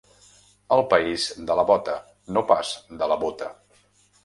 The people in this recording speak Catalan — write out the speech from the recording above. El país de la bota, no pas de la bóta.